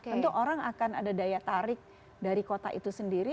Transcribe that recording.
tentu orang akan ada daya tarik dari kota itu sendiri